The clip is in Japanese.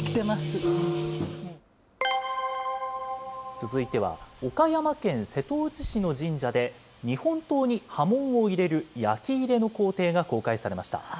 続いては、岡山県瀬戸内市の神社で日本刀に刃文を入れる焼き入れの工程が公開されました。